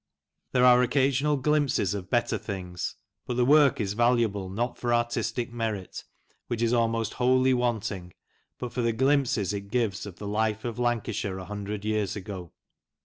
There are occasional glimpses of better things, but the work is valuable not for artistic merit, which is almost wholly wanting, but for the glimpses it gives of the life of Lancashire a hundred years ago.